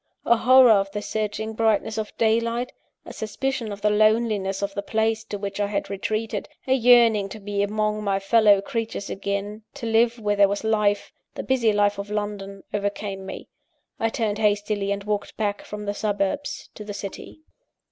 A horror of the searching brightness of daylight, a suspicion of the loneliness of the place to which I had retreated, a yearning to be among my fellow creatures again, to live where there was life the busy life of London overcame me. I turned hastily, and walked back from the suburbs to the city.